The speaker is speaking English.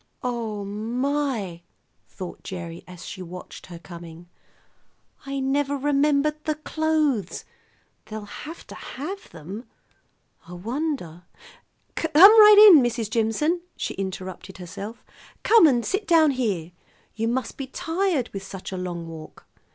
"Oh, my!" thought Gerry as she watched her coming. "I never remembered the clothes. They'll have to have them. I wonder "Come right in, Mrs. Jimson," she interrupted herself; "come and sit down here. You must be tired with such a long walk."